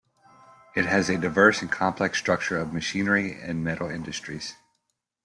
It has a diverse and complex structure of machinery and metal industries.